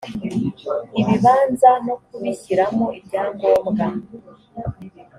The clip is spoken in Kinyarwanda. ibibanza no kubishyiramo ibyangombwa